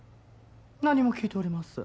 何も聞いておりません。